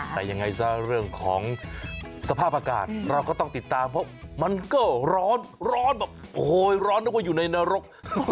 แต่ยังไงซะเรื่องของสภาพอากาศเราก็ต้องติดตามเพราะมันก็ร้อนร้อนแบบโอ้โหร้อนนึกว่าอยู่ในนรก